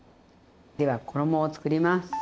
では衣をつくります。